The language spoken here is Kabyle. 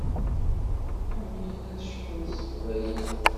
Ḥemmlen ad cnun s teqbaylit.